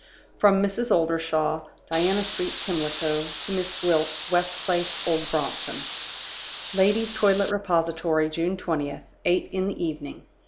From Mrs. Oldershaw (Diana Street, Pimlico) to Miss Gwilt (West Place, Old Brompton). "Ladies' Toilet Repository, June 20th, "Eight in the Evening.